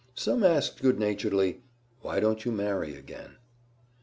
Some asked good naturedly, "Why don't you marry again?"